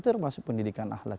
itu termasuk pendidikan ahlak